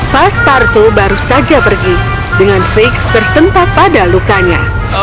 pasparto baru saja pergi dengan figgs tersentak pada lukanya